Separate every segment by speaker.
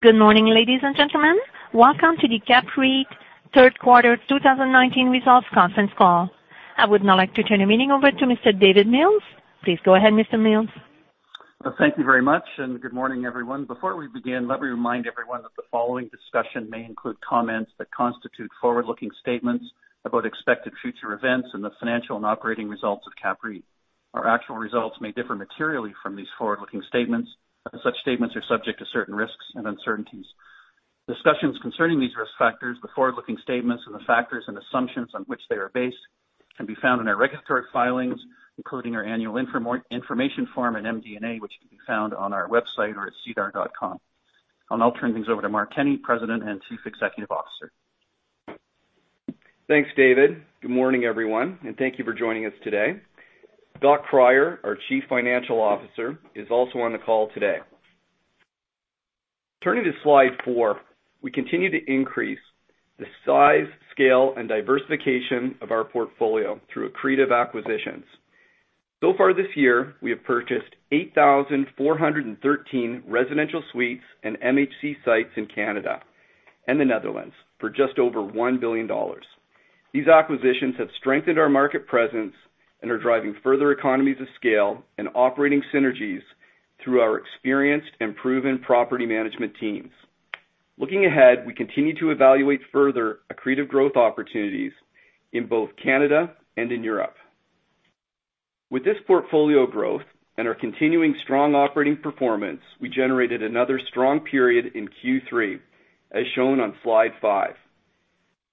Speaker 1: Good morning, ladies and gentlemen. Welcome to the CAPREIT third quarter 2019 results conference call. I would now like to turn the meeting over to Mr. David Mills. Please go ahead, Mr. Mills.
Speaker 2: Thank you very much, and good morning, everyone. Before we begin, let me remind everyone that the following discussion may include comments that constitute forward-looking statements about expected future events and the financial and operating results of CAPREIT. Our actual results may differ materially from these forward-looking statements, and such statements are subject to certain risks and uncertainties. Discussions concerning these risk factors, the forward-looking statements, and the factors and assumptions on which they are based can be found in our regulatory filings, including our annual information form and MD&A, which can be found on our website or at sedar.com. I'll now turn things over to Mark Kenney, President and Chief Executive Officer.
Speaker 3: Thanks, David. Good morning, everyone, and thank you for joining us today. Scott Cryer, our Chief Financial Officer, is also on the call today. Turning to slide four, we continue to increase the size, scale, and diversification of our portfolio through accretive acquisitions. Far this year, we have purchased 8,413 residential suites and MHC sites in Canada and the Netherlands for just over 1 billion dollars. These acquisitions have strengthened our market presence and are driving further economies of scale and operating synergies through our experienced and proven property management teams. Looking ahead, we continue to evaluate further accretive growth opportunities in both Canada and in Europe. With this portfolio growth and our continuing strong operating performance, we generated another strong period in Q3, as shown on slide five.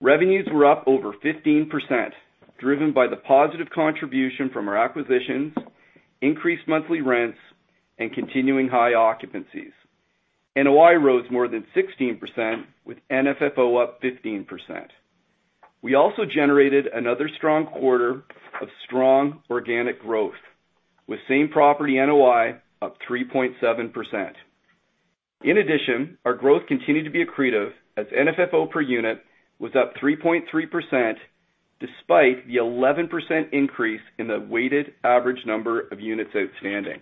Speaker 3: Revenues were up over 15%, driven by the positive contribution from our acquisitions, increased monthly rents, and continuing high occupancies. NOI rose more than 16%, with NFFO up 15%. We also generated another strong quarter of strong organic growth, with same property NOI up 3.7%. In addition, our growth continued to be accretive as NFFO per unit was up 3.3%, despite the 11% increase in the weighted average number of units outstanding.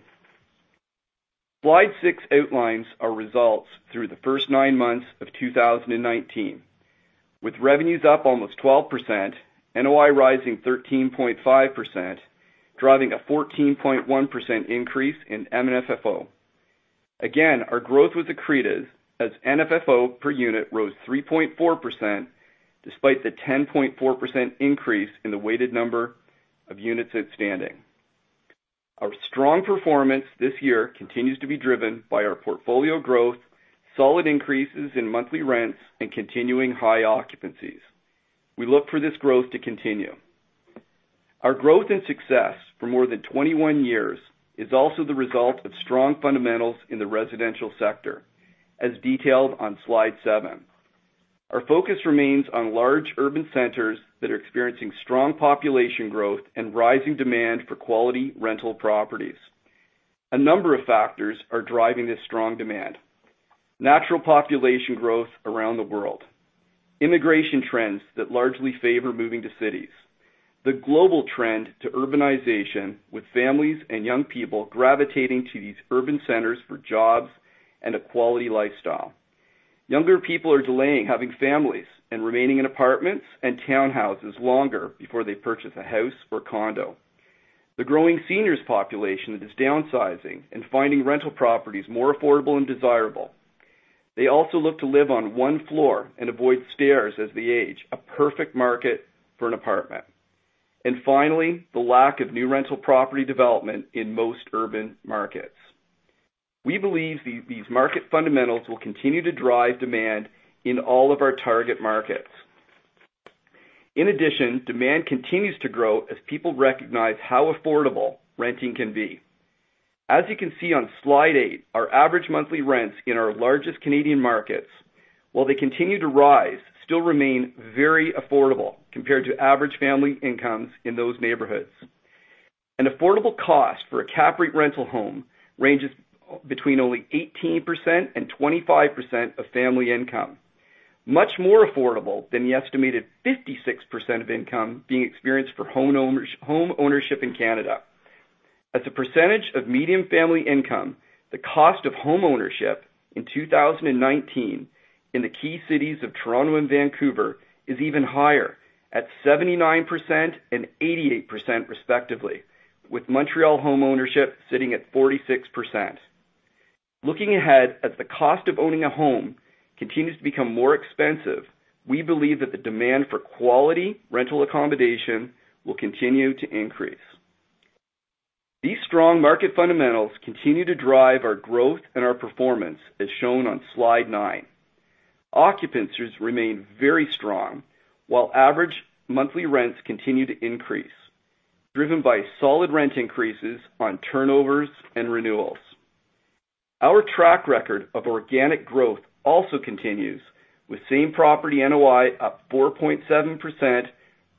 Speaker 3: Slide six outlines our results through the first nine months of 2019. With revenues up almost 12%, NOI rising 13.5%, driving a 14.1% increase in NFFO. Again, our growth was accretive as NFFO per unit rose 3.4%, despite the 10.4% increase in the weighted number of units outstanding. Our strong performance this year continues to be driven by our portfolio growth, solid increases in monthly rents, and continuing high occupancies. We look for this growth to continue. Our growth and success for more than 21 years is also the result of strong fundamentals in the residential sector, as detailed on Slide 7. Our focus remains on large urban centers that are experiencing strong population growth and rising demand for quality rental properties. A number of factors are driving this strong demand. Natural population growth around the world, immigration trends that largely favor moving to cities, the global trend to urbanization with families and young people gravitating to these urban centers for jobs and a quality lifestyle. Younger people are delaying having families and remaining in apartments and townhouses longer before they purchase a house or condo. The growing seniors population that is downsizing and finding rental properties more affordable and desirable. They also look to live on one floor and avoid stairs as they age, a perfect market for an apartment. Finally, the lack of new rental property development in most urban markets. We believe these market fundamentals will continue to drive demand in all of our target markets. In addition, demand continues to grow as people recognize how affordable renting can be. As you can see on Slide 8, our average monthly rents in our largest Canadian markets, while they continue to rise, still remain very affordable compared to average family incomes in those neighborhoods. An affordable cost for a CAPREIT rental home ranges between only 18% and 25% of family income, much more affordable than the estimated 56% of income being experienced for home ownership in Canada. As a percentage of median family income, the cost of home ownership in 2019 in the key cities of Toronto and Vancouver is even higher, at 79% and 88%, respectively, with Montreal home ownership sitting at 46%. Looking ahead, as the cost of owning a home continues to become more expensive, we believe that the demand for quality rental accommodation will continue to increase. These strong market fundamentals continue to drive our growth and our performance, as shown on Slide nine. Occupancies remain very strong, while Average Monthly Rents continue to increase, driven by solid rent increases on turnovers and renewals. Our track record of organic growth also continues, with same property NOI up 4.7%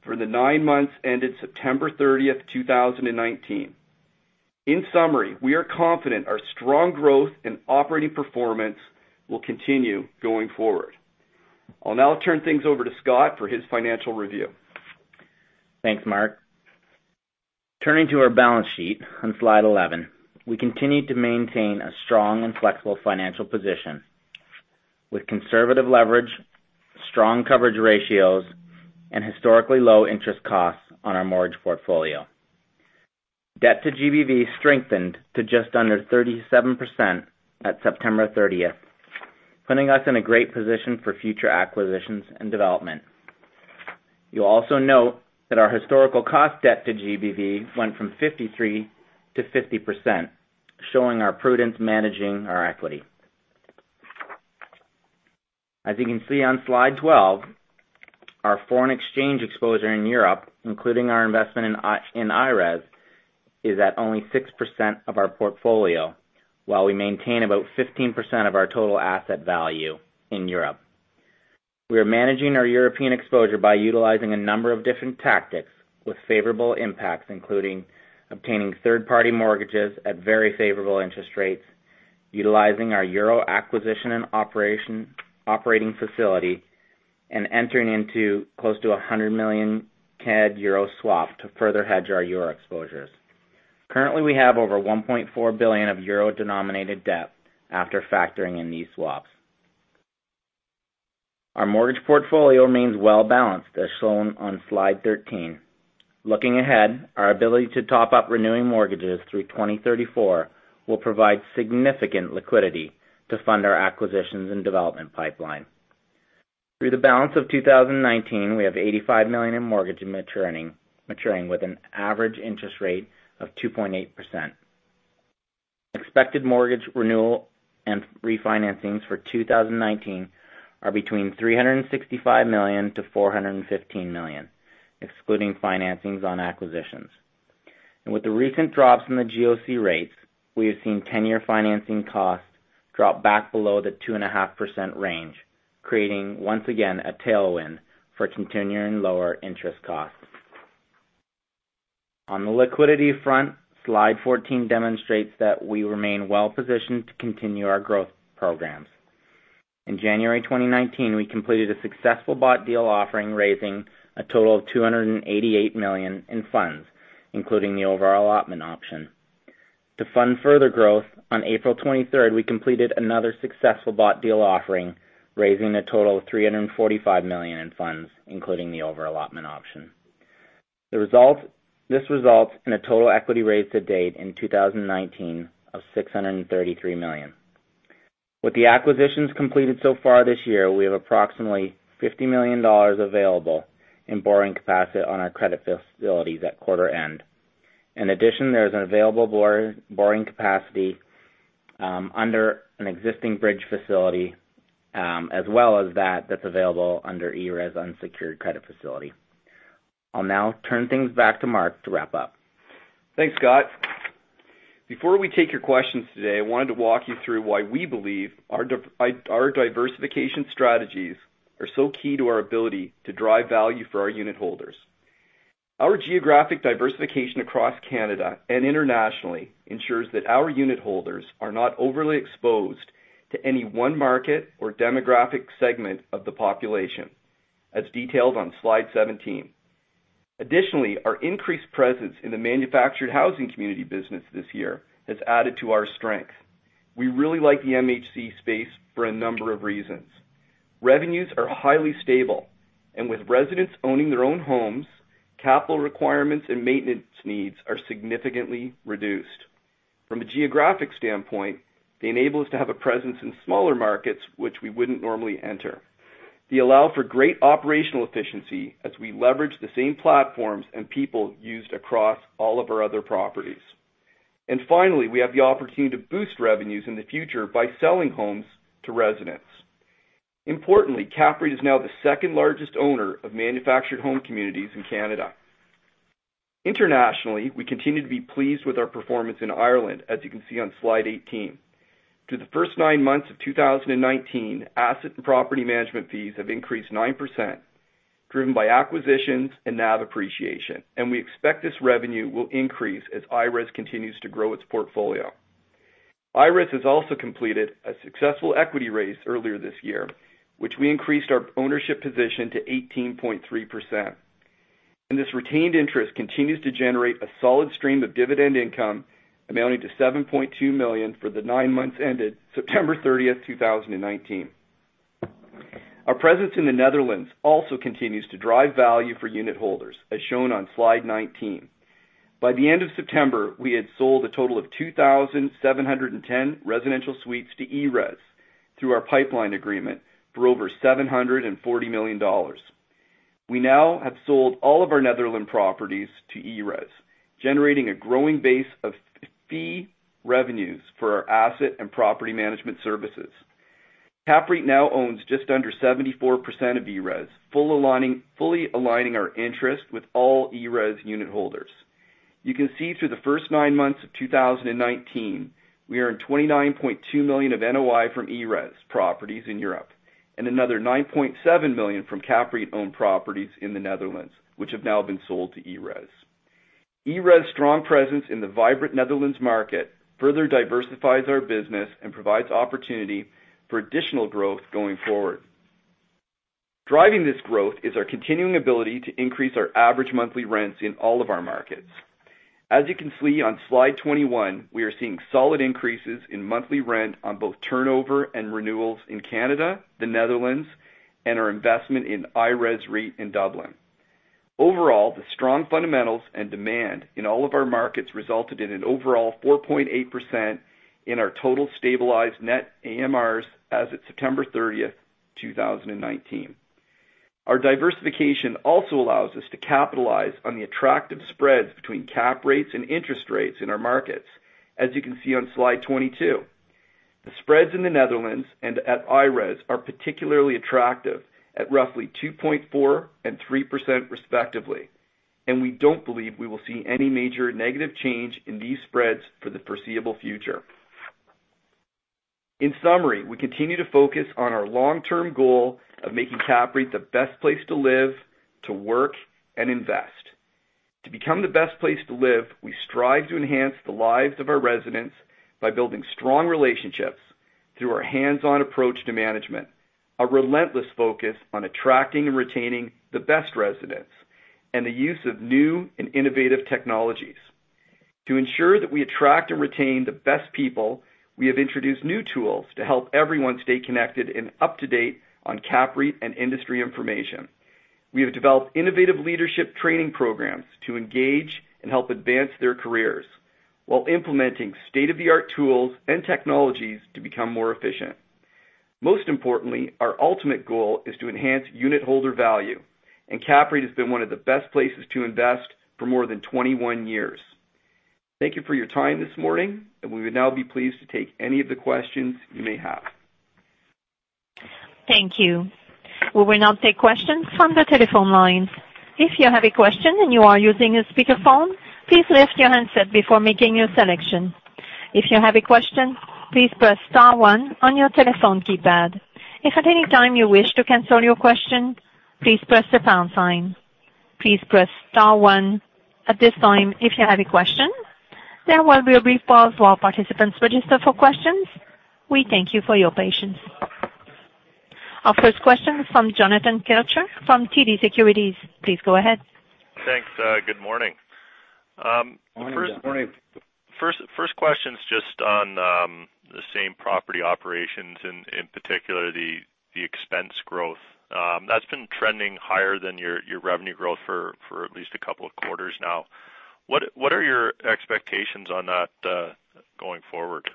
Speaker 3: for the nine months ended September 30th, 2019. In summary, we are confident our strong growth and operating performance will continue going forward. I'll now turn things over to Scott for his financial review.
Speaker 4: Thanks, Mark. Turning to our balance sheet on slide 11. We continue to maintain a strong and flexible financial position with conservative leverage, strong coverage ratios, and historically low interest costs on our mortgage portfolio. Debt to GBV strengthened to just under 37% at September 30th, putting us in a great position for future acquisitions and development. You'll also note that our historical cost debt to GBV went from 53% to 50%, showing our prudence managing our equity. As you can see on slide 12, our foreign exchange exposure in Europe, including our investment in IRES, is at only 6% of our portfolio, while we maintain about 15% of our total asset value in Europe. We are managing our European exposure by utilizing a number of different tactics with favorable impacts, including obtaining third-party mortgages at very favorable interest rates, utilizing our euro acquisition and operating facility, and entering into close to 100 million CAD euro swap to further hedge our euro exposures. Currently, we have over 1.4 billion of euro-denominated debt after factoring in these swaps. Our mortgage portfolio remains well-balanced, as shown on slide 13. Looking ahead, our ability to top up renewing mortgages through 2034 will provide significant liquidity to fund our acquisitions and development pipeline. Through the balance of 2019, we have 85 million in mortgage maturing with an average interest rate of 2.8%. Expected mortgage renewal and refinancings for 2019 are between 365 million to 415 million, excluding financings on acquisitions. With the recent drops in the GOC rates, we have seen 10-year financing costs drop back below the 2.5% range, creating, once again, a tailwind for continuing lower interest costs. On the liquidity front, slide 14 demonstrates that we remain well-positioned to continue our growth programs. In January 2019, we completed a successful bought deal offering, raising a total of 288 million in funds, including the over-allotment option. To fund further growth, on April 23rd, we completed another successful bought deal offering, raising a total of 345 million in funds, including the over-allotment option. This results in a total equity raise to date in 2019 of 633 million. With the acquisitions completed so far this year, we have approximately 50 million dollars available in borrowing capacity on our credit facilities at quarter end. In addition, there is an available borrowing capacity under an existing bridge facility, as well as that's available under ERES unsecured credit facility. I'll now turn things back to Mark to wrap up.
Speaker 3: Thanks, Scott. Before we take your questions today, I wanted to walk you through why we believe our diversification strategies are so key to our ability to drive value for our unit holders. Our geographic diversification across Canada and internationally ensures that our unit holders are not overly exposed to any one market or demographic segment of the population, as detailed on slide 17. Additionally, our increased presence in the manufactured housing community business this year has added to our strength. We really like the MHC space for a number of reasons. Revenues are highly stable, and with residents owning their own homes, capital requirements and maintenance needs are significantly reduced. From a geographic standpoint, they enable us to have a presence in smaller markets, which we wouldn't normally enter. They allow for great operational efficiency as we leverage the same platforms and people used across all of our other properties. Finally, we have the opportunity to boost revenues in the future by selling homes to residents. Importantly, CAPREIT is now the second-largest owner of manufactured home communities in Canada. Internationally, we continue to be pleased with our performance in Ireland, as you can see on slide 18. Through the first nine months of 2019, asset and property management fees have increased 9%, driven by acquisitions and NAV appreciation, and we expect this revenue will increase as IRES continues to grow its portfolio. IRES has also completed a successful equity raise earlier this year, which we increased our ownership position to 18.3%. This retained interest continues to generate a solid stream of dividend income amounting to 7.2 million for the nine months ended September 30th, 2019. Our presence in the Netherlands also continues to drive value for unit holders, as shown on slide 19. By the end of September, we had sold a total of 2,710 residential suites to ERES through our pipeline agreement for over 740 million dollars. We now have sold all of our Netherlands properties to ERES, generating a growing base of fee revenues for our asset and property management services. CAPREIT now owns just under 74% of ERES, fully aligning our interest with all ERES unit holders. You can see through the first nine months of 2019, we earned 29.2 million of NOI from ERES properties in Europe, and another 9.7 million from CAPREIT-owned properties in the Netherlands, which have now been sold to ERES. ERES' strong presence in the vibrant Netherlands market further diversifies our business and provides opportunity for additional growth going forward. Driving this growth is our continuing ability to increase our average monthly rents in all of our markets. As you can see on slide 21, we are seeing solid increases in monthly rent on both turnover and renewals in Canada, the Netherlands, and our investment in IRES REIT in Dublin. Overall, the strong fundamentals and demand in all of our markets resulted in an overall 4.8% in our total stabilized net AMRs as of September 30th, 2019. Our diversification also allows us to capitalize on the attractive spreads between cap rates and interest rates in our markets, as you can see on slide 22. The spreads in the Netherlands and at IRES are particularly attractive at roughly 2.4% and 3% respectively. We don't believe we will see any major negative change in these spreads for the foreseeable future. In summary, we continue to focus on our long-term goal of making CAPREIT the best place to live, to work, and invest. To become the best place to live, we strive to enhance the lives of our residents by building strong relationships through our hands-on approach to management, a relentless focus on attracting and retaining the best residents, and the use of new and innovative technologies. To ensure that we attract and retain the best people, we have introduced new tools to help everyone stay connected and up-to-date on CAPREIT and industry information. We have developed innovative leadership training programs to engage and help advance their careers while implementing state-of-the-art tools and technologies to become more efficient. Most importantly, our ultimate goal is to enhance unitholder value, and CAPREIT has been one of the best places to invest for more than 21 years. Thank you for your time this morning. We would now be pleased to take any of the questions you may have.
Speaker 1: Thank you. We will now take questions from the telephone lines. If you have a question and you are using a speakerphone, please lift your handset before making your selection. If you have a question, please press star one on your telephone keypad. If at any time you wish to cancel your question, please press the pound sign. Please press star one at this time if you have a question. There will be a brief pause while participants register for questions. We thank you for your patience. Our first question is from Jonathan Kelcher from TD Securities. Please go ahead.
Speaker 5: Thanks. Good morning.
Speaker 3: Morning.
Speaker 5: First question's just on the same-property operations, in particular, the expense growth. That's been trending higher than your revenue growth for at least a couple of quarters now. What are your expectations on that going forward?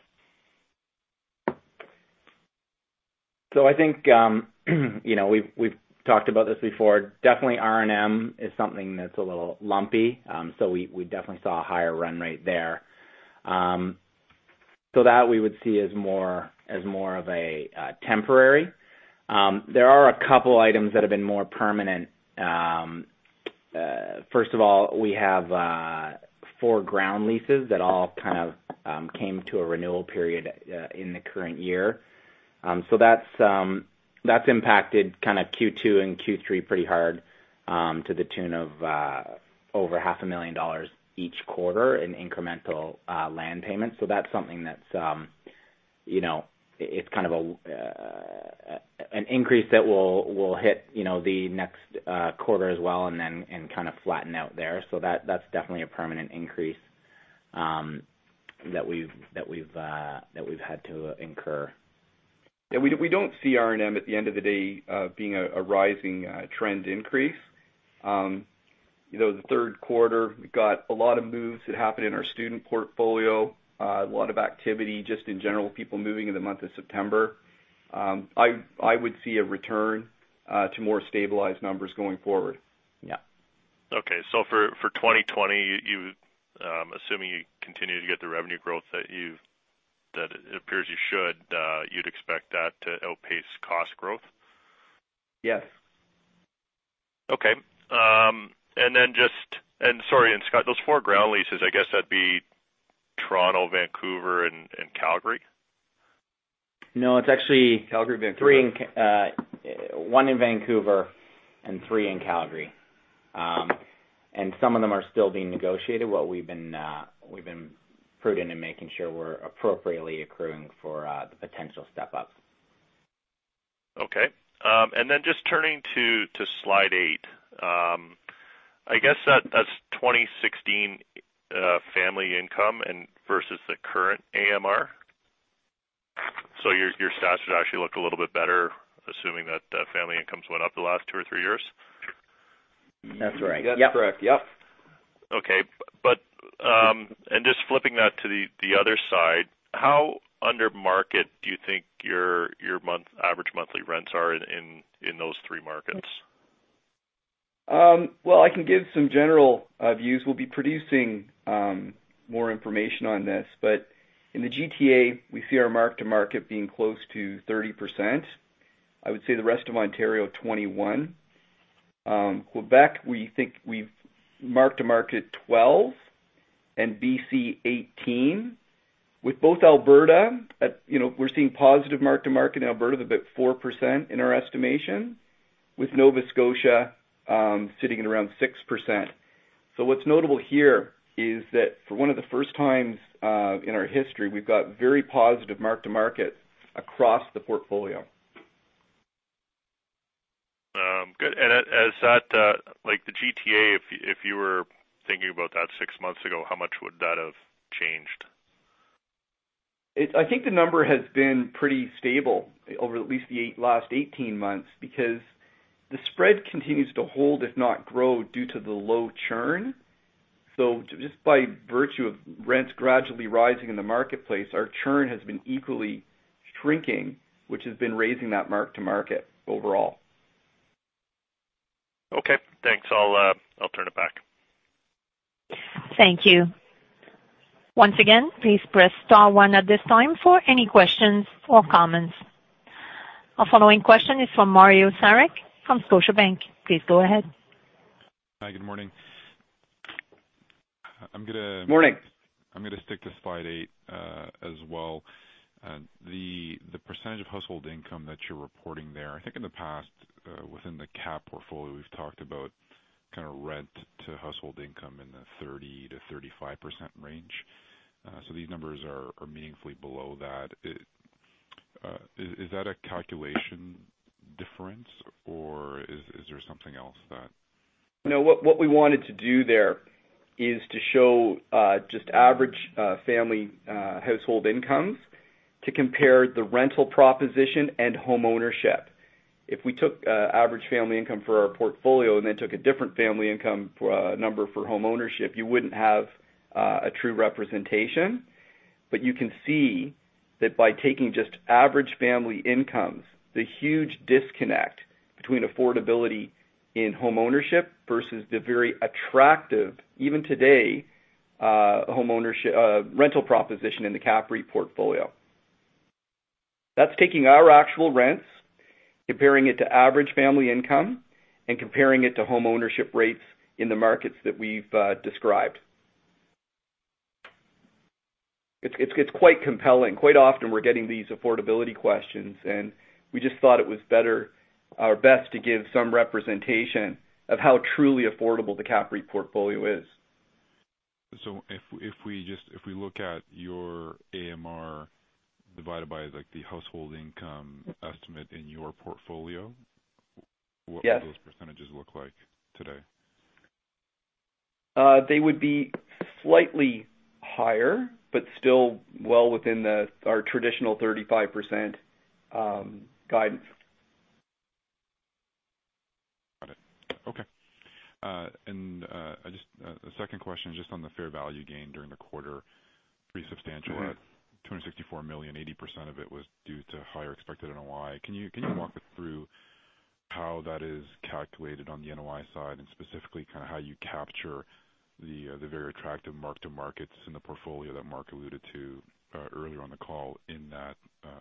Speaker 4: I think, we've talked about this before. Definitely R&M is something that's a little lumpy. We definitely saw a higher run rate there. That we would see as more of a temporary. There are a couple items that have been more permanent. First of all, we have four ground leases that all kind of came to a renewal period in the current year. That's impacted Q2 and Q3 pretty hard, to the tune of over half a million dollars each quarter in incremental land payments. That's something that it's an increase that will hit the next quarter as well and then flatten out there. That's definitely a permanent increase that we've had to incur.
Speaker 3: Yeah. We don't see R&M at the end of the day being a rising trend increase. The third quarter, we got a lot of moves that happened in our student portfolio, a lot of activity just in general, people moving in the month of September. I would see a return to more stabilized numbers going forward.
Speaker 4: Yeah.
Speaker 5: Okay. For 2020, assuming you continue to get the revenue growth that it appears you should, you'd expect that to outpace cost growth?
Speaker 4: Yes.
Speaker 5: Okay. Sorry, Scott, those four ground leases, I guess that would be Toronto, Vancouver, and Calgary?
Speaker 4: No, it's actually-
Speaker 3: Calgary, Vancouver.
Speaker 4: one in Vancouver and three in Calgary. Some of them are still being negotiated, but we've been prudent in making sure we're appropriately accruing for the potential step-up.
Speaker 5: Okay. Just turning to slide eight. I guess that's 2016 family income versus the current AMR? Your stats should actually look a little bit better, assuming that family incomes went up the last two or three years.
Speaker 4: That's right. Yep.
Speaker 3: That's correct. Yep.
Speaker 5: Okay. Just flipping that to the other side, how under market do you think your Average Monthly Rents are in those three markets?
Speaker 3: Well, I can give some general views. We'll be producing more information on this. In the GTA, we see our mark-to-market being close to 30%. I would say the rest of Ontario, 21. Quebec, we think we've mark-to-market 12, and BC 18. With both Alberta, we're seeing positive mark-to-market in Alberta of about 4% in our estimation, with Nova Scotia sitting at around 6%.What's notable here is that for one of the first times in our history, we've got very positive mark-to-market across the portfolio.
Speaker 5: Good. As that, like the GTA, if you were thinking about that six months ago, how much would that have changed?
Speaker 3: I think the number has been pretty stable over at least the last 18 months because the spread continues to hold, if not grow, due to the low churn. Just by virtue of rents gradually rising in the marketplace, our churn has been equally shrinking, which has been raising that mark-to-market overall.
Speaker 5: Okay, thanks. I'll turn it back.
Speaker 1: Thank you. Once again, please press star one at this time for any questions or comments. Our following question is from Mario Saric from Scotiabank. Please go ahead.
Speaker 6: Hi, good morning.
Speaker 3: Morning.
Speaker 6: I'm going to stick to slide eight as well. The percentage of household income that you're reporting there, I think in the past, within the CAP portfolio, we've talked about kind of rent to household income in the 30%-35% range. These numbers are meaningfully below that. Is that a calculation difference or is there something else that?
Speaker 3: No, what we wanted to do there is to show just average family household incomes to compare the rental proposition and homeownership. If we took average family income for our portfolio and then took a different family income number for homeownership, you wouldn't have a true representation. You can see that by taking just average family incomes, the huge disconnect between affordability in homeownership versus the very attractive, even today, rental proposition in the CAPREIT portfolio. That's taking our actual rents, comparing it to average family income, and comparing it to homeownership rates in the markets that we've described. It's quite compelling. Quite often we're getting these affordability questions, and we just thought it was our best to give some representation of how truly affordable the CAPREIT portfolio is.
Speaker 6: If we look at your AMR divided by the household income estimate in your portfolio.
Speaker 3: Yes
Speaker 6: What would those percentages look like today?
Speaker 3: They would be slightly higher, but still well within our traditional 35% guidance.
Speaker 6: Got it. Okay. The second question, just on the fair value gain during the quarter, pretty substantial at 264 million, 80% of it was due to higher expected NOI. Can you walk us through how that is calculated on the NOI side, and specifically how you capture the very attractive mark-to-markets in the portfolio that Mark alluded to earlier on the call in that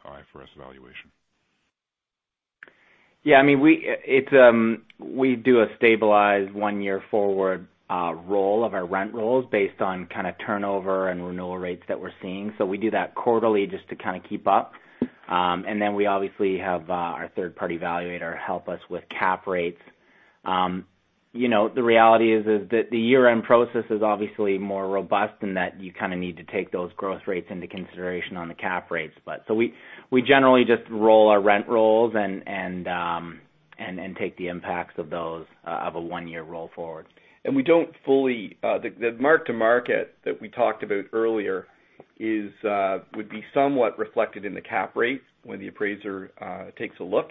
Speaker 6: IFRS valuation?
Speaker 4: Yeah, we do a stabilized one-year forward roll of our rent rolls based on kind of turnover and renewal rates that we're seeing. We do that quarterly just to kind of keep up. We obviously have our third-party evaluator help us with cap rates. The reality is that the year-end process is obviously more robust in that you kind of need to take those growth rates into consideration on the cap rates. We generally just roll our rent rolls and take the impacts of those of a one-year roll forward.
Speaker 3: The mark-to-market that we talked about earlier would be somewhat reflected in the cap rate when the appraiser takes a look.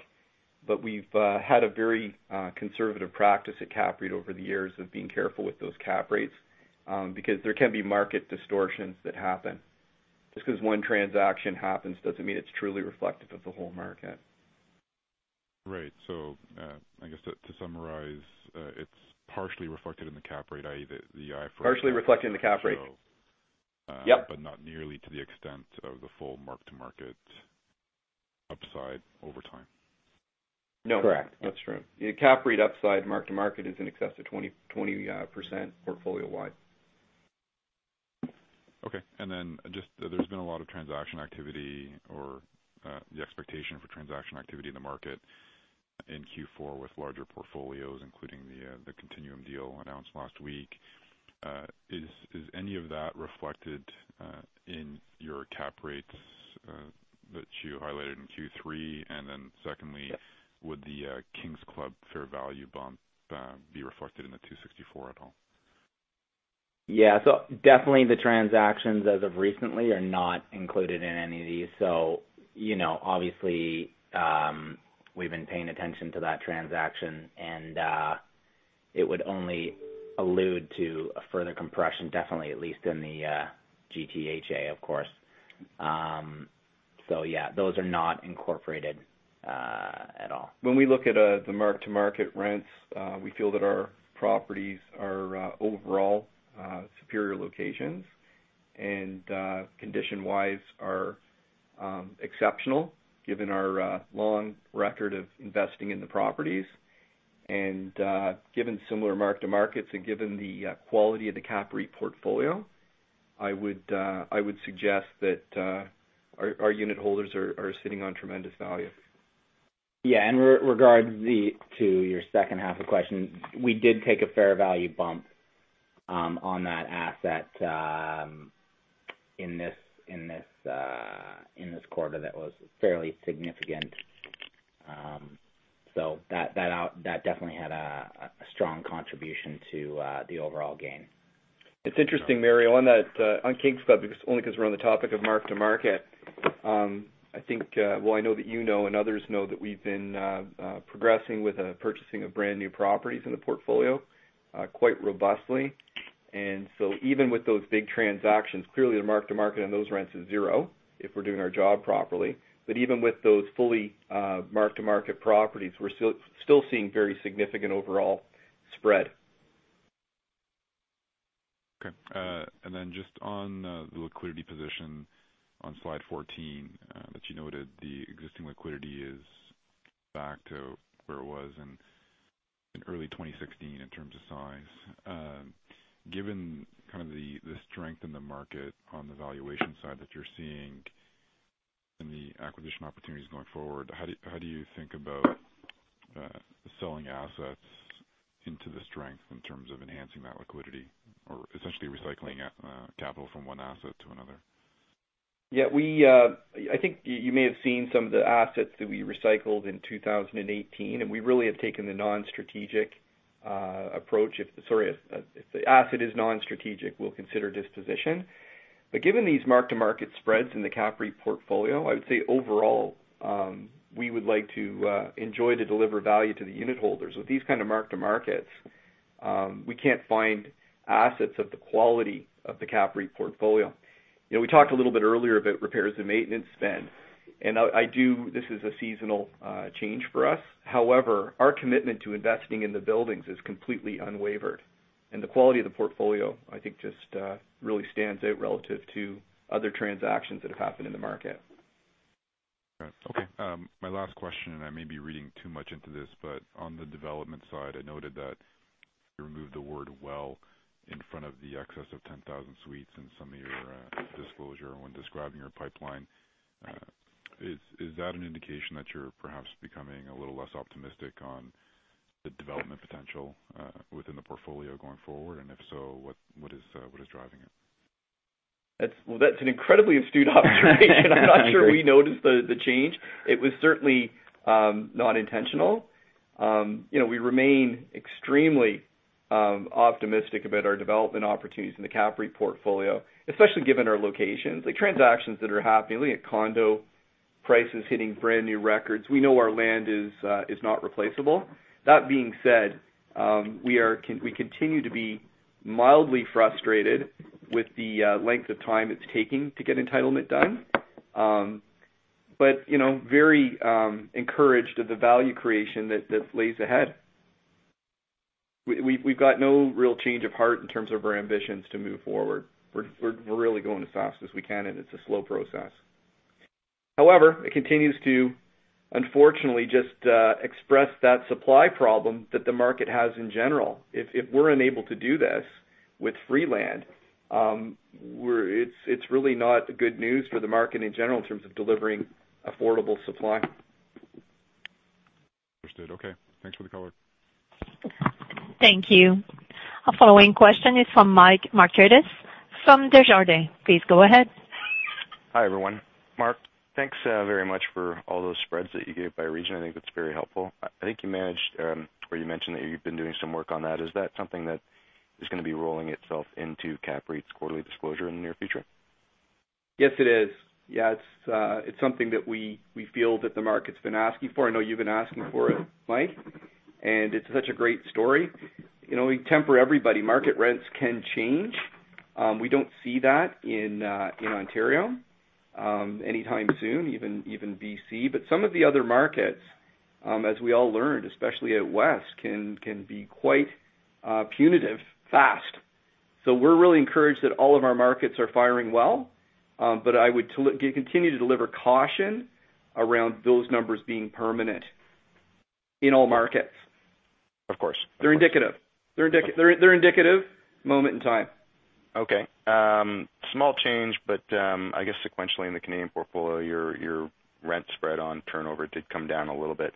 Speaker 3: We've had a very conservative practice at CAPREIT over the years of being careful with those cap rates, because there can be market distortions that happen. Just because one transaction happens doesn't mean it's truly reflective of the whole market.
Speaker 6: Right. I guess to summarize, it's partially reflected in the cap rate, i.e., the IFRS.
Speaker 3: Partially reflected in the cap rate. Yep.
Speaker 6: Not nearly to the extent of the full mark-to-market upside over time.
Speaker 3: No.
Speaker 4: Correct.
Speaker 3: That's true. CAPREIT upside mark-to-market is in excess of 20% portfolio-wide.
Speaker 6: Okay. There's been a lot of transaction activity or the expectation for transaction activity in the market in Q4 with larger portfolios, including the Continuum deal announced last week. Is any of that reflected in your cap rates that you highlighted in Q3? Secondly-
Speaker 3: Yep
Speaker 6: would the Kings Club fair value bump be reflected in the 264 at all?
Speaker 4: Yeah. Definitely the transactions as of recently are not included in any of these. Obviously, we've been paying attention to that transaction, and it would only allude to a further compression, definitely at least in the GTHA, of course. Yeah, those are not incorporated at all.
Speaker 3: When we look at the mark-to-market rents, we feel that our properties are overall superior locations, and condition-wise are exceptional given our long record of investing in the properties. Given similar mark-to-markets and given the quality of the CAPREIT portfolio, I would suggest that our unit holders are sitting on tremendous value.
Speaker 4: Yeah. In regards to your second half of the question, we did take a fair value bump on that asset in this quarter that was fairly significant. That definitely had a strong contribution to the overall gain.
Speaker 3: It's interesting, Mario, on Kings Club, only because we're on the topic of mark-to-market. I know that you know, and others know, that we've been progressing with the purchasing of brand-new properties in the portfolio quite robustly. Even with those big transactions, clearly the mark-to-market on those rents is zero if we're doing our job properly. Even with those fully mark-to-market properties, we're still seeing very significant overall spread.
Speaker 6: Just on the liquidity position on slide 14 that you noted, the existing liquidity is back to where it was in early 2016 in terms of size. Given the strength in the market on the valuation side that you're seeing in the acquisition opportunities going forward, how do you think about selling assets into the strength in terms of enhancing that liquidity, or essentially recycling capital from one asset to another?
Speaker 3: Yeah. I think you may have seen some of the assets that we recycled in 2018. We really have taken the non-strategic approach. If the asset is non-strategic, we'll consider disposition. Given these mark-to-market spreads in the CAPREIT portfolio, I would say overall, we would like to enjoy to deliver value to the unitholders. With these kind of mark-to-markets, we can't find assets of the quality of the CAPREIT portfolio. We talked a little bit earlier about repairs and maintenance spend. This is a seasonal change for us. However, our commitment to investing in the buildings is completely unwavered. The quality of the portfolio, I think, just really stands out relative to other transactions that have happened in the market.
Speaker 6: Okay. My last question, and I may be reading too much into this, but on the development side, I noted that you removed the word "well" in front of the excess of 10,000 suites in some of your disclosure when describing your pipeline. Is that an indication that you're perhaps becoming a little less optimistic on the development potential within the portfolio going forward? If so, what is driving it?
Speaker 3: That's an incredibly astute observation.
Speaker 6: I agree.
Speaker 3: I'm not sure we noticed the change. It was certainly not intentional. We remain extremely optimistic about our development opportunities in the CAPREIT portfolio, especially given our locations, the transactions that are happening. We have condo prices hitting brand-new records. We know our land is not replaceable. That being said, we continue to be mildly frustrated with the length of time it's taking to get entitlement done. Very encouraged at the value creation that lays ahead. We've got no real change of heart in terms of our ambitions to move forward. We're really going as fast as we can, and it's a slow process. However, it continues to, unfortunately, just express that supply problem that the market has in general. If we're unable to do this with free land, it's really not good news for the market in general in terms of delivering affordable supply.
Speaker 6: Understood. Okay. Thanks for the color.
Speaker 1: Thank you. Our following question is from Mike Markidis from Desjardins. Please go ahead.
Speaker 7: Hi, everyone. Mark, thanks very much for all those spreads that you gave by region. I think that's very helpful. I think you mentioned that you've been doing some work on that. Is that something that is going to be rolling itself into CAPREIT's quarterly disclosure in the near future?
Speaker 3: Yes, it is. Yeah, it's something that we feel that the market's been asking for. I know you've been asking for it, Mike, and it's such a great story. We temper everybody. Market rents can change. We don't see that in Ontario anytime soon, even B.C. Some of the other markets, as we all learned, especially out West, can be quite punitive fast. We're really encouraged that all of our markets are firing well. I would continue to deliver caution around those numbers being permanent in all markets.
Speaker 7: Of course.
Speaker 3: They're indicative. They're indicative moment in time.
Speaker 7: Okay. Small change, I guess sequentially in the Canadian portfolio, your rent spread on turnover did come down a little bit.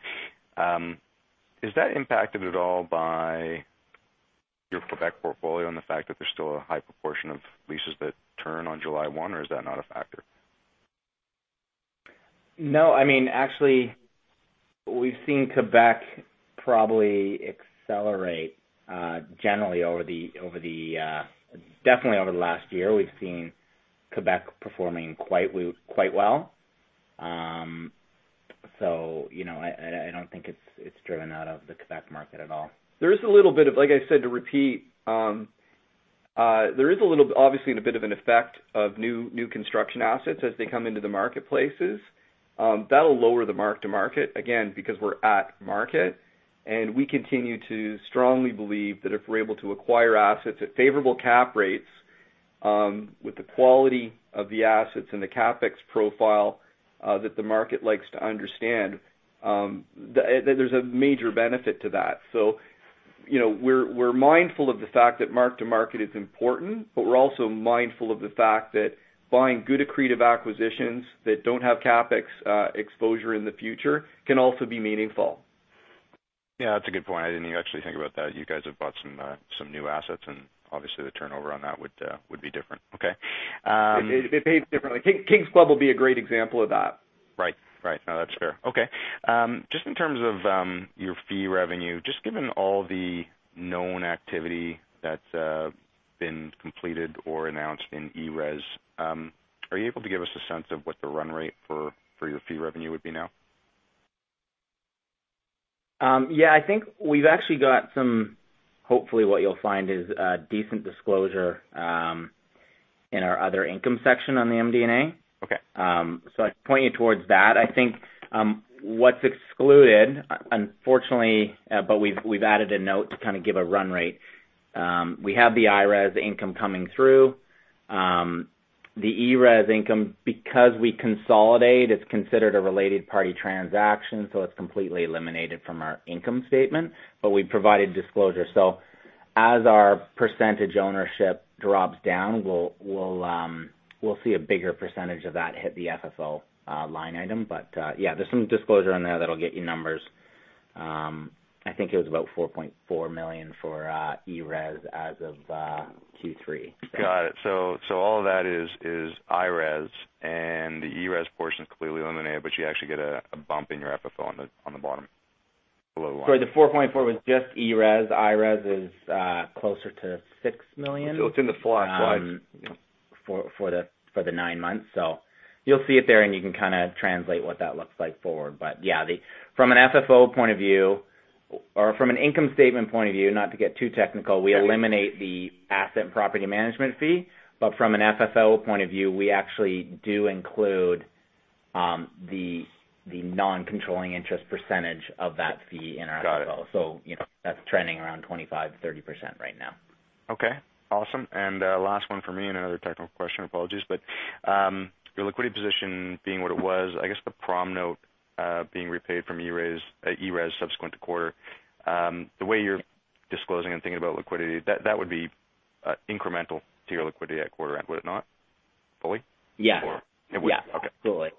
Speaker 7: Is that impacted at all by your Quebec portfolio and the fact that there's still a high proportion of leases that turn on July 1, or is that not a factor?
Speaker 4: No. Actually, we've seen Quebec probably accelerate. Definitely over the last year, we've seen Quebec performing quite well. I don't think it's driven out of the Quebec market at all.
Speaker 3: There is a little bit of, like I said, to repeat, there is obviously a bit of an effect of new construction assets as they come into the marketplaces. That will lower the mark-to-market, again, because we are at market, and we continue to strongly believe that if we are able to acquire assets at favorable cap rates with the quality of the assets and the CapEx profile that the market likes to understand, that there is a major benefit to that. We are mindful of the fact that mark-to-market is important, but we are also mindful of the fact that buying good accretive acquisitions that don't have CapEx exposure in the future can also be meaningful.
Speaker 7: Yeah, that's a good point. I didn't actually think about that. You guys have bought some new assets, and obviously the turnover on that would be different. Okay.
Speaker 3: It pays differently. Kings Club will be a great example of that.
Speaker 7: Right. No, that's fair. Okay. Just in terms of your fee revenue, just given all the known activity that's been completed or announced in ERES, are you able to give us a sense of what the run rate for your fee revenue would be now?
Speaker 4: Yeah. I think we've actually got Hopefully, what you'll find is decent disclosure in our other income section on the MD&A.
Speaker 7: Okay.
Speaker 4: I'd point you towards that. I think what's excluded, unfortunately, but we've added a note to kind of give a run rate. We have the IRES income coming through. The ERES income, because we consolidate, it's considered a related party transaction, so it's completely eliminated from our income statement, but we provided disclosure. As our percentage ownership drops down, we'll see a bigger percentage of that hit the FFO line item. Yeah, there's some disclosure in there that'll get you numbers. I think it was about 4.4 million for ERES as of Q3.
Speaker 7: Got it. All of that is IRES, and the ERES portion is completely eliminated, but you actually get a bump in your FFO on the bottom below the line.
Speaker 4: Sorry, the 4.4 was just ERES. IRES is closer to 6 million-
Speaker 7: It's in the fly slide.
Speaker 4: for the nine months. You'll see it there, and you can kind of translate what that looks like forward. Yeah, from an FFO point of view or from an income statement point of view, not to get too technical.
Speaker 7: Okay
Speaker 4: we eliminate the asset and property management fee. From an FFO point of view, we actually do include the non-controlling interest percentage of that fee in our FFO.
Speaker 7: Got it.
Speaker 4: That's trending around 25%-30% right now.
Speaker 7: Okay. Awesome. Last one for me, and another technical question, apologies. Your liquidity position being what it was, I guess the promissory note being repaid from ERES subsequent to quarter, the way you're disclosing and thinking about liquidity, that would be incremental to your liquidity at quarter end, would it not? Fully?
Speaker 4: Yeah.
Speaker 7: Or it would-
Speaker 4: Yeah.
Speaker 7: Okay.
Speaker 4: Totally.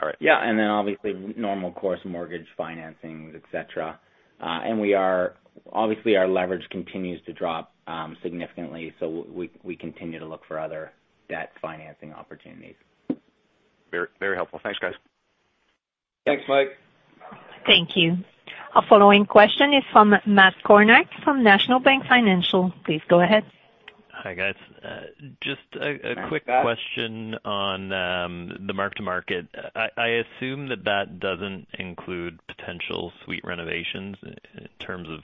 Speaker 7: All right.
Speaker 4: Yeah. Obviously, normal course mortgage financings, et cetera. Obviously, our leverage continues to drop significantly. We continue to look for other debt financing opportunities.
Speaker 7: Very helpful. Thanks, guys.
Speaker 3: Thanks, Mike.
Speaker 1: Thank you. Our following question is from Matt Kornack from National Bank Financial. Please go ahead.
Speaker 8: Hi, guys.
Speaker 3: Hi, Matt.
Speaker 8: Just a quick question on the mark-to-market. I assume that that doesn't include potential suite renovations in terms of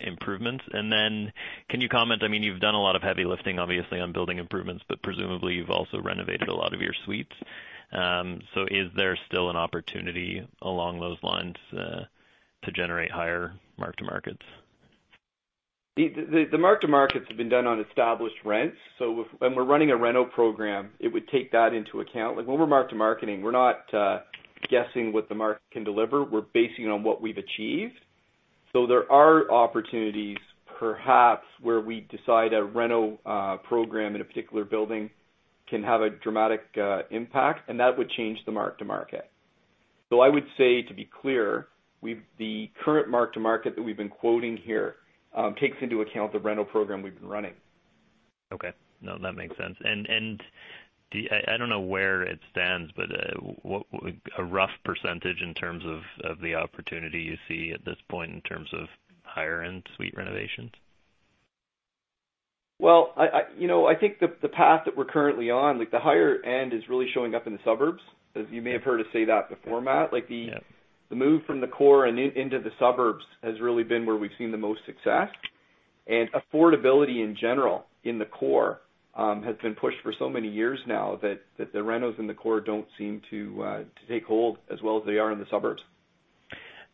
Speaker 8: improvements. Can you comment, you've done a lot of heavy lifting, obviously, on building improvements, but presumably you've also renovated a lot of your suites. Is there still an opportunity along those lines to generate higher mark-to-markets?
Speaker 3: The mark-to-markets have been done on established rents. When we're running a reno program, it would take that into account. When we're mark-to-marketing, we're not guessing what the market can deliver. We're basing it on what we've achieved. There are opportunities perhaps where we decide a reno program in a particular building can have a dramatic impact, and that would change the mark-to-market. I would say to be clear, the current mark-to-market that we've been quoting here takes into account the reno program we've been running.
Speaker 8: Okay. No, that makes sense. I don't know where it stands, but a rough percentage in terms of the opportunity you see at this point in terms of higher-end suite renovations?
Speaker 3: I think the path that we're currently on, the higher end is really showing up in the suburbs. As you may have heard us say that before, Matt.
Speaker 8: Yes.
Speaker 3: The move from the core and into the suburbs has really been where we've seen the most success. Affordability in general in the core has been pushed for so many years now that the renos in the core don't seem to take hold as well as they are in the suburbs.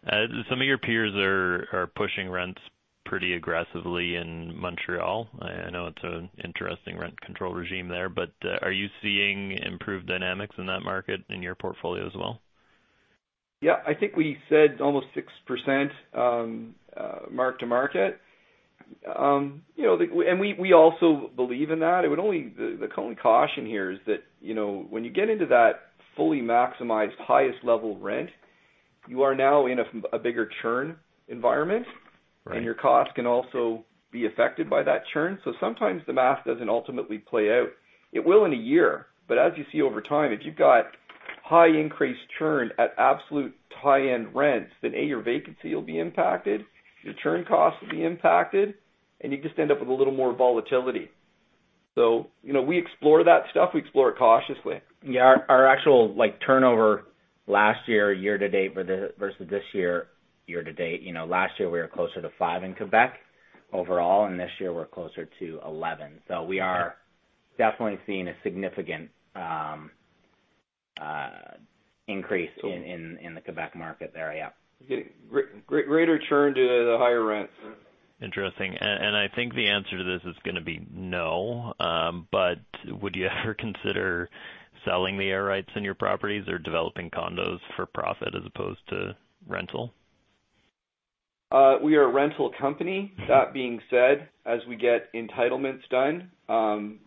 Speaker 8: Some of your peers are pushing rents pretty aggressively in Montreal. I know it's an interesting rent control regime there, but are you seeing improved dynamics in that market in your portfolio as well?
Speaker 3: Yeah, I think we said almost 6% mark-to-market. We also believe in that. The only caution here is that, when you get into that fully maximized highest level rent, you are now in a bigger churn environment.
Speaker 8: Right.
Speaker 3: Your cost can also be affected by that churn. Sometimes the math doesn't ultimately play out. It will in a year. As you see over time, if you've got high increased churn at absolute high-end rents, then A, your vacancy will be impacted, your churn costs will be impacted, and you just end up with a little more volatility. We explore that stuff. We explore it cautiously.
Speaker 4: Yeah. Our actual turnover last year to date versus this year to date. Last year we were closer to five in Quebec overall, and this year we're closer to 11. We are definitely seeing a significant increase in the Quebec market there. Yeah.
Speaker 3: Greater churn to the higher rents.
Speaker 8: Interesting. I think the answer to this is going to be no, would you ever consider selling the air rights in your properties or developing condos for profit as opposed to rental?
Speaker 3: We are a rental company. That being said, as we get entitlements done,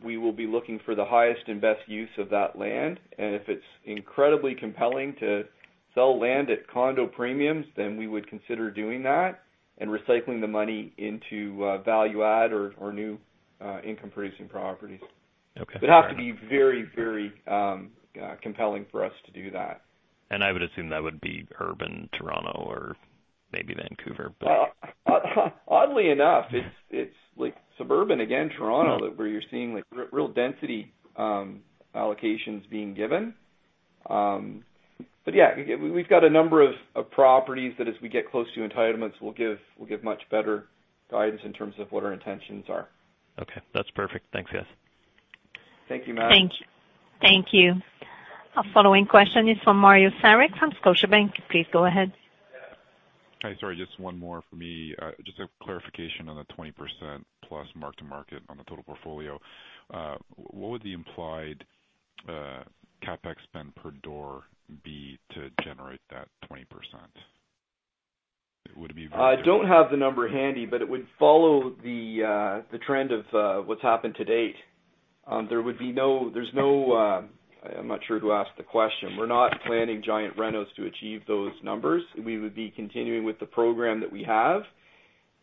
Speaker 3: we will be looking for the highest and best use of that land. If it's incredibly compelling to sell land at condo premiums, then we would consider doing that and recycling the money into value add or new income-producing properties.
Speaker 8: Okay.
Speaker 3: It would have to be very compelling for us to do that.
Speaker 8: I would assume that would be urban Toronto or maybe Vancouver, but.
Speaker 3: Oddly enough, it's suburban, again, Toronto, where you're seeing real density allocations being given. Yeah, we've got a number of properties that as we get close to entitlements, we'll give much better guidance in terms of what our intentions are.
Speaker 8: Okay. That's perfect. Thanks, guys.
Speaker 3: Thank you, Matt.
Speaker 1: Thank you. Our following question is from Mario Saric from Scotiabank. Please go ahead.
Speaker 6: Hi. Sorry, just one more from me. A clarification on the 20% plus mark-to-market on the total portfolio. What would the implied CapEx spend per door be to generate that 20%? Would it be very different?
Speaker 3: I don't have the number handy, but it would follow the trend of what's happened to date. I'm not sure who asked the question. We're not planning giant renos to achieve those numbers. We would be continuing with the program that we have,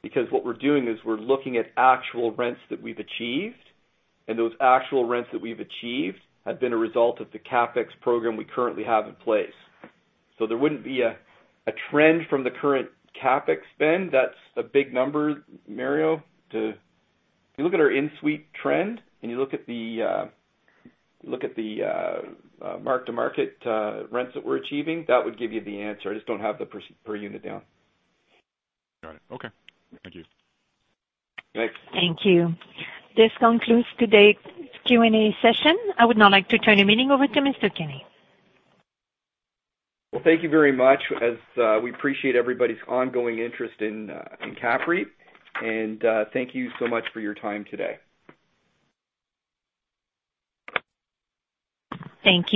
Speaker 3: because what we're doing is we're looking at actual rents that we've achieved, and those actual rents that we've achieved have been a result of the CapEx program we currently have in place. There wouldn't be a trend from the current CapEx spend. That's a big number, Mario. If you look at our in-suite trend, and you look at the mark-to-market rents that we're achieving, that would give you the answer. I just don't have the per unit down.
Speaker 6: Got it. Okay. Thank you.
Speaker 3: Thanks.
Speaker 1: Thank you. This concludes today's Q&A session. I would now like to turn the meeting over to Mr. Kenney.
Speaker 3: Well, thank you very much as we appreciate everybody's ongoing interest in CAPREIT, and thank you so much for your time today.
Speaker 1: Thank you